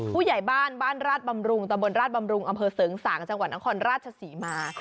ผู้ใหญ่บ้านบ้านราชบำรุงตะบนราชบำรุงอำเภอเสริงสางจังหวัดนครราชศรีมา